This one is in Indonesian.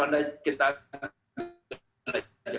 orang yang betul betul